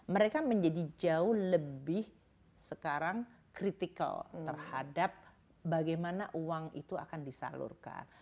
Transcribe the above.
mereka menjadi jauh lebih sekarang kritikal terhadap bagaimana uang itu akan disalurkan